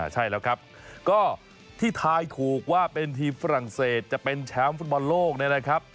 ใช่แล้วครับก็ที่ทายถูกว่าเป็นทีมฝรั่งเศสจะเป็นแชมป์ฟุตบอลโลกเนี่ยนะครับ